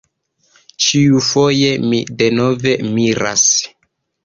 Ĉiufoje mi denove miras.